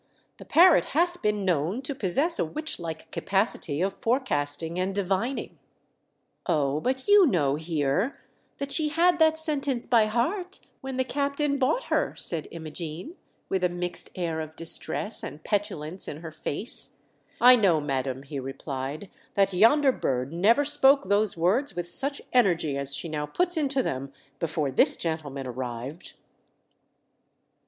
" The parrot hath been known to possess a witch like capacity of forecasting and divining." "Oh, but you know, Heer, that she had that sentence by heart when the captain bought her," said Imogene, with a mixed air of distress and petulance in her face. 230 THE DEATH SHIP. "I know, madam," he replied, "that yonder bird never spoke those words with such energy as she now puts into them before this gentleman arrived."